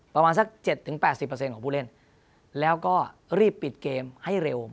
ประมาณสัก๗๘๐ของผู้เล่นแล้วก็รีบปิดเกมให้เร็ว